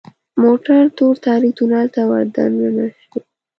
موټر تور تاریک تونل ته وردننه شو .